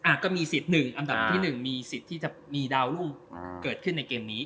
ก็มีสิทธิ์หนึ่งอันดับที่หนึ่งมีสิทธิ์ที่จะมีดาวลูกเกิดขึ้นในเกมนี้